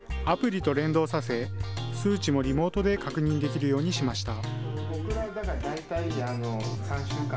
さらに、アプリと連動させ、数値もリモートで確認できるようにしました。